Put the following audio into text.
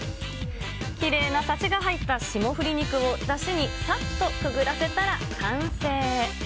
きれいなさしが入った霜降り肉をだしにさっとくぐらせたら完成。